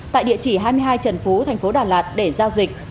tại địa chỉ hai mươi hai trần phú tp đà lạt để giao dịch